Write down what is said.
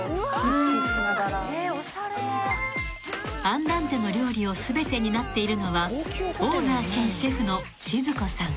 ［アンダンテの料理を全て担っているのはオーナー兼シェフの静子さん］